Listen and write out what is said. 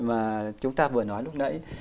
mà chúng ta vừa nói lúc nãy